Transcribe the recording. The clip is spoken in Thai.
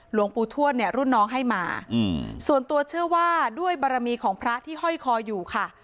หลวงปู่ทวดเนี่ยรุ่นน้องให้มาส่วนตัวเชื่อว่าด้วยบารมีของพระที่ห้อยคออยู่ค่ะ